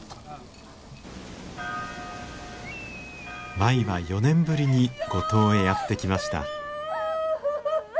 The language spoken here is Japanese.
舞は４年ぶりに五島へやって来ました。